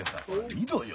見ろよ